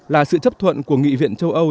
là sự chấp thuận của nghị viện châu âu